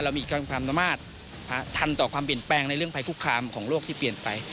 มีความสามารถทันต่อความเปลี่ยนแปลงในเรื่องภัยคุกคามของโลกที่เปลี่ยนไป